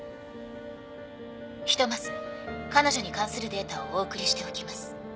ひとまず彼女に関するデータをお送りしておきます。